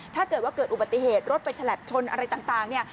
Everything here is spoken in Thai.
ถ้าเกิดว่าเกิดอุบัติเหตุรถไปฉลับชนอะไรต่างเนี่ย